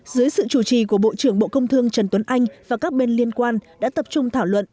dưới sự chủ trì của bộ trưởng bộ công thương trần tuấn anh và các bên liên quan đã tập trung thảo luận